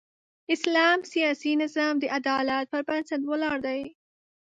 اسلام سیاسي نظام د عدالت پر بنسټ ولاړ دی.